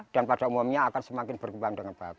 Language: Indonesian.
dan pada umumnya akan semakin berkembang dengan baik